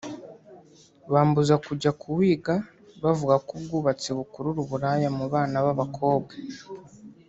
bambuza kujya kuwiga bavuga ko ubwubatsi bukurura uburaya mu bana b’abakobwa